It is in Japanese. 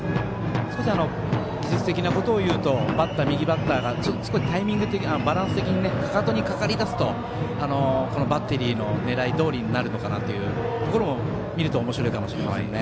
少し技術的なことを言うと右バッターが少しバランス的にかかとにかかり出すとバッテリーの狙いどおりになるのかなというところも見るとおもしろいかもしれませんね。